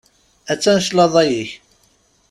Attan claḍa-ik.